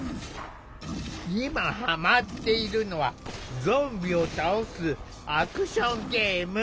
今ハマっているのはゾンビを倒すアクションゲーム。